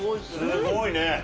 すごいね。